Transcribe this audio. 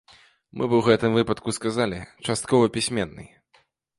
Мы б у гэтым выпадку сказалі, часткова пісьменны.